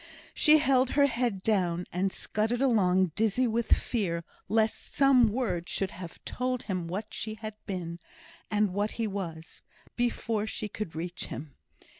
She held her head down, and scudded along dizzy with fear, lest some word should have told him what she had been, and what he was, before she could reach him.